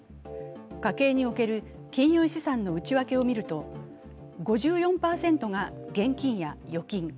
家計における金融資産の内訳を見ると５４％が現金や預金。